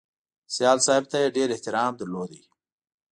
سیال صاحب ته یې ډېر احترام درلود